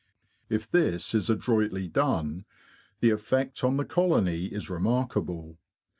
If this is adroitly done, the effect on the colony is remarkable.